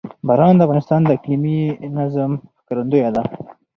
باران د افغانستان د اقلیمي نظام ښکارندوی ده.